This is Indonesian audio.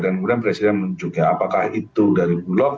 dan kemudian presiden juga apakah itu dari bulog